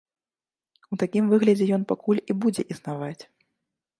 У такім выглядзе ён пакуль і будзе існаваць.